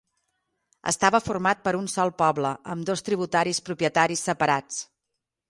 Estava format per un sol poble, amb dos tributaris propietaris separats.